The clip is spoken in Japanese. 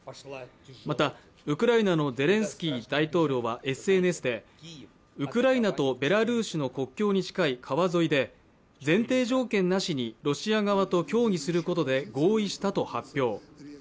またウクライナのゼレンスキー大統領はＳＮＳで、ウクライナとベラルーシの国境に近い川沿いで前提条件なしにロシア側と協議することで合意したと発表。